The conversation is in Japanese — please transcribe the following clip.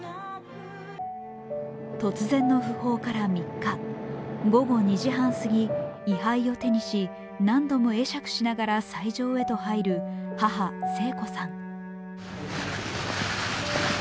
突然の訃報から３日、午後２時半すぎ、位はいを手にし、何度も会釈しながら斎場へと入る母・聖子さん。